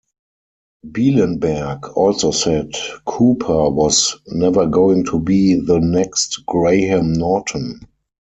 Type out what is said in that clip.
Bielenberg also said Cooper was "never going to be the next Graham Norton".